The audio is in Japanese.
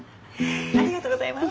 ありがとうございます。